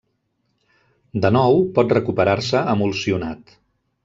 De nou, pot recuperar-se emulsionat.